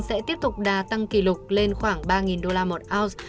sẽ tiếp tục đà tăng kỷ lục lên khoảng ba đô la một ounce